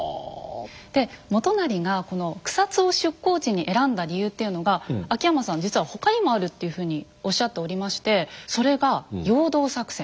で元就がこの草津を出港地に選んだ理由っていうのが秋山さん実は他にもあるっていうふうにおっしゃっておりましてそれが陽動作戦。